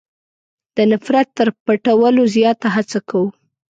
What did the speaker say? د نفرت تر پټولو زیاته هڅه کوو.